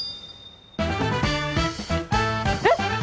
えっ！